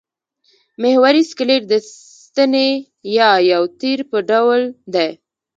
محوري سکلېټ د ستنې یا یو تیر په ډول دی.